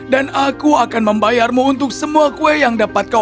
dan aku akan membayarmu untuk semua kue yang dapat kau